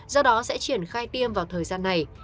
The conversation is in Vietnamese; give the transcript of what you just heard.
do đó sẽ triển khai tiêm vào thời gian này